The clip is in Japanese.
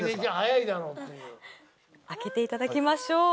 開けていただきましょう。